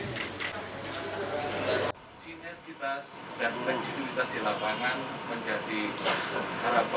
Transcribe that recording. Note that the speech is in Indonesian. sinergitas dan reksibilitas di lapangan menjadi harapan yang harus kita gunakan